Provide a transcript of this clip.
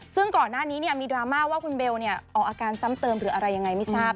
ซึ่งก่อนหน้านี้มีดราม่าว่าคุณเบลออกอาการซ้ำเติมหรืออะไรยังไงไม่ทราบ